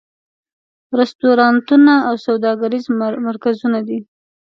رستورانتونه او سوداګریز مرکزونه دي.